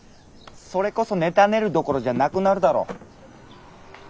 それこそネタ練るどころじゃあなくなるだろ。